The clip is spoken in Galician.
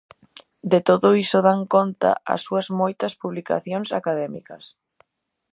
De todo iso dan conta as súas moitas publicacións académicas.